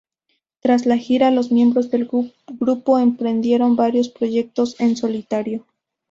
Tras la gira, los miembros del grupo emprendieron varios proyectos en solitario.